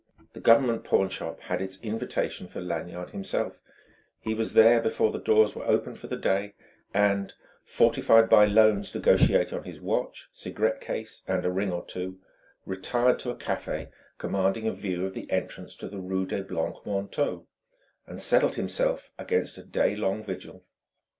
The Government pawn shop had its invitation for Lanyard himself: he was there before the doors were open for the day; and fortified by loans negotiated on his watch, cigarette case, and a ring or two, retired to a café commanding a view of the entrance on the rue des Blancs Manteaux, and settled himself against a day long vigil.